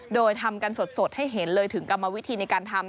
โดยทำกันสดให้เห็นเลยถึงกรรมวิธีในการทำ